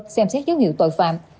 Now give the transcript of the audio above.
xem xét dấu hiệu tội phạm